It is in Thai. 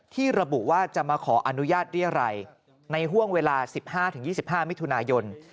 ระบุว่าจะมาขออนุญาตเรียรัยในห่วงเวลา๑๕๒๕มิถุนายน